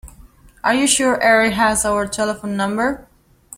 Are you sure Erik has our telephone number?